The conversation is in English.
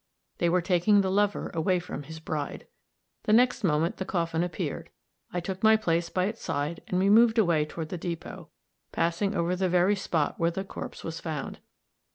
They were taking the lover away from his bride. The next moment the coffin appeared; I took my place by its side, and we moved away toward the depot, passing over the very spot where the corpse was found.